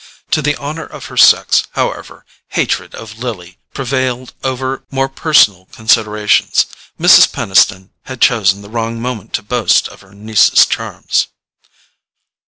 To the honour of her sex, however, hatred of Lily prevailed over more personal considerations. Mrs. Peniston had chosen the wrong moment to boast of her niece's charms.